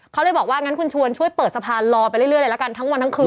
เขาเลยบอกว่างั้นคุณชวนช่วยเปิดสะพานรอไปเรื่อยเลยละกันทั้งวันทั้งคืน